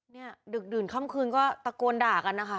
ดึกดื่นค่ำคืนก็ตะโกนด่ากันนะคะ